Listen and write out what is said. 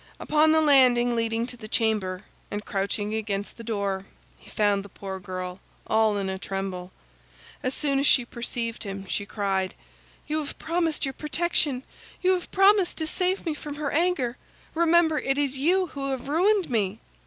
Upon the landing leading to the chamber, and crouching against the door, he found the poor girl, all in a tremble. As soon as she perceived him, she cried, "You have promised your protection; you have promised to save me from her anger. Remember, it is you who have ruined me!"